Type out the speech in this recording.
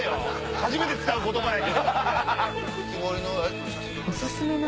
初めて使う言葉やけど。